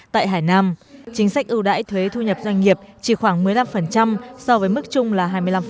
tại hải nam chính sách ưu đãi thuế thu nhập doanh nghiệp chỉ khoảng một mươi năm so với mức chung là hai mươi năm